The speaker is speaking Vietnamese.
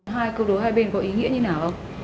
hai câu đối hai bên có ý nghĩa như nào không